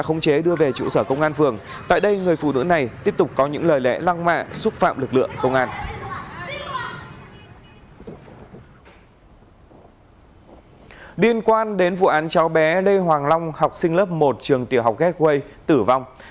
khi vui chơi như vậy người dân có mặc áo phao hay không